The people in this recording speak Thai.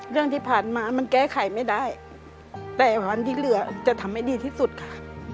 เรื่องที่ผ่านมามันแก้ไขไม่ได้แต่วันที่เหลือจะทำให้ดีที่สุดค่ะ